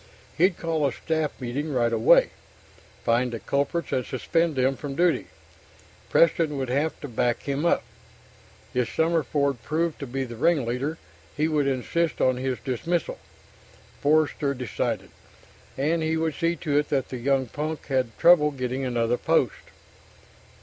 He'd call a staff meeting right away, find the culprits and suspend them from duty. Preston would have to back him up. If Summerford proved to be the ringleader, he would insist on his dismissal, Forster decided. And he would see to it that the young punk had trouble getting another post.